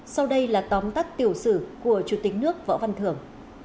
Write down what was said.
sau đây là tóm tắt tiểu sử của chủ tịch nước võ văn thưởng